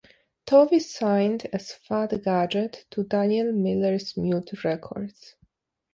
Tovey signed as Fad Gadget to Daniel Miller's Mute Records.